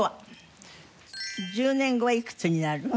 １０年後はいくつになるの？